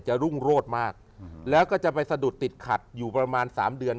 รุ่งโรดมากแล้วก็จะไปสะดุดติดขัดอยู่ประมาณสามเดือน